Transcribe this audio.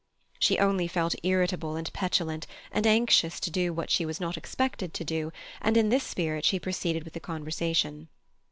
She only felt irritable and petulant, and anxious to do what she was not expected to do, and in this spirit she proceeded with the conversation.